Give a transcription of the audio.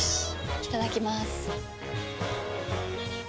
いただきまーす。